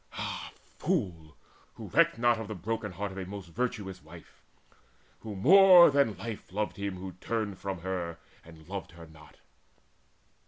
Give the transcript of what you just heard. Ah fool, who recked not of the broken heart Of a most virtuous wife, who more than life Loved him who turned from her and loved her not!"